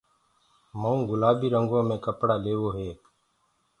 مئونٚ گُلآبي رنٚگو مي ڪپڙآ ليوو هي